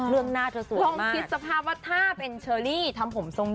ลองคิดสภาพว่าถ้าเป็นเชอรี่ทำผมทรงนี้